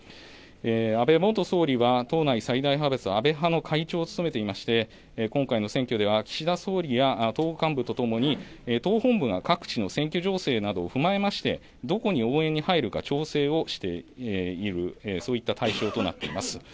安倍元総理は党内最大派閥安倍派の会長を務めていまして今回の選挙では岸田総理や党幹部とともに党本部が各地の選挙情勢などを踏まえましてどこに応援に入るか調整をしている、そういった対象となっています。